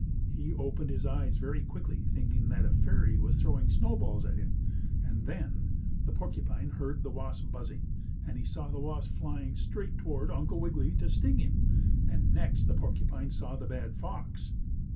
He opened his eyes very quickly, thinking that a fairy was throwing snowballs at him, and then the porcupine heard the wasp buzzing, and he saw the wasp flying straight toward Uncle Wiggily to sting him, and next the porcupine saw the bad fox.